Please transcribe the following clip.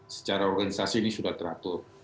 secara organisasi ini sudah teratur